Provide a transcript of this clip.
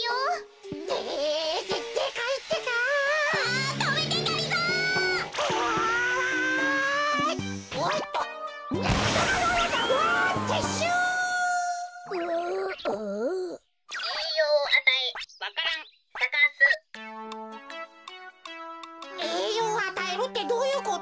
えいようをあたえるってどういうこと？